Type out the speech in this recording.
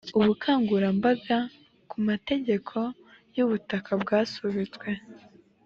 ubukangurambaga ku mategeko y’ubutaka bwasubitswe